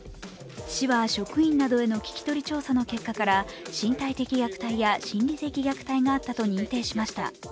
市は職員などへの聞き取り調査の結果から身体的虐待や心理的虐待があったと認定しました。